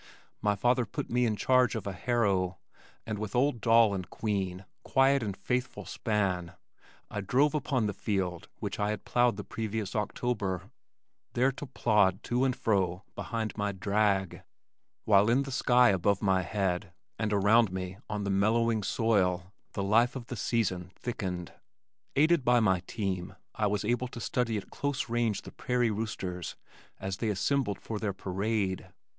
My father put me in charge of a harrow, and with old Doll and Queen quiet and faithful span I drove upon the field which I had plowed the previous October, there to plod to and fro behind my drag, while in the sky above my head and around me on the mellowing soil the life of the season, thickened. Aided by my team I was able to study at close range the prairie roosters as they assembled for their parade.